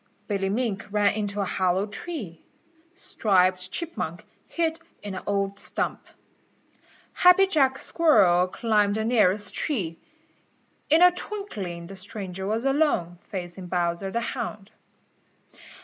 Billy Mink ran into a hollow tree. Striped Chipmunk hid in an old stump. Happy Jack Squirrel climbed the nearest tree. In a twinkling the stranger was alone, facing Bowser the Hound.